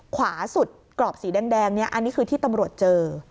ขวาสุดกรอบสีแดงเนี่ยอันนี้คือที่ตำรวจเจอ